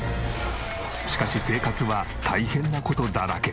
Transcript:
しかし生活は大変な事だらけ。